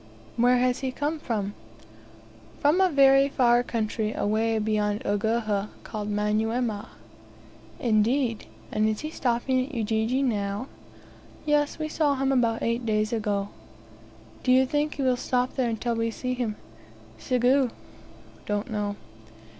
"Where has he come from?" "From a very far country away beyond Uguhha, called Manyuema." "Indeed! and is he stopping at Ujiji now?" "Yes, we saw him about eight days ago." "Do you think he will stop there until we see him?" "Sigue" (don't know).